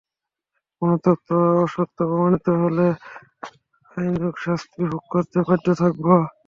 কোনো তথ্য অসত্য প্রমাণিত হলে আইনানুগ শাস্তি ভোগ করতে বাধ্য থাকব।